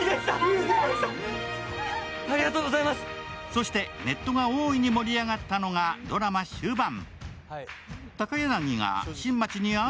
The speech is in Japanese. そしてネットが大いに盛り上がったのがドラマ終盤。